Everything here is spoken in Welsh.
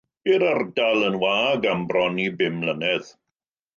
Bu'r ardal yn wag am bron i bum mlynedd.